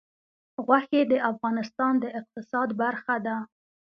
غوښې د افغانستان د اقتصاد برخه ده.